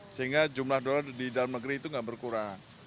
sehingga jumlah dolar di dalam negeri itu tidak berkurang